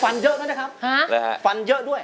เพิ่มหาฝอยนะครับ